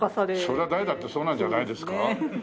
それは誰だってそうなんじゃないですか？